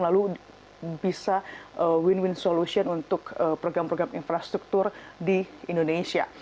lalu bisa win win solution untuk program program infrastruktur di indonesia